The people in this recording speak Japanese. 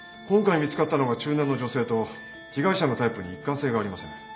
今回見つかったのが中年の女性と被害者のタイプに一貫性がありません。